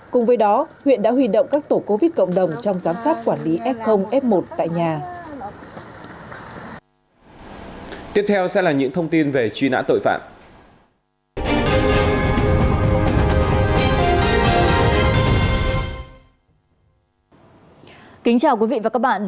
cùng với đó huyện đã huy động các tổ covid cộng đồng trong giám sát quản lý f f một tại nhà